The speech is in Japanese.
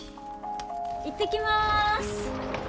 いってきます。